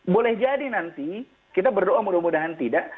boleh jadi nanti kita berdoa mudah mudahan tidak